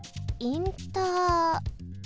インター